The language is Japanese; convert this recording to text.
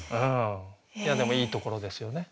でもいいところですよね。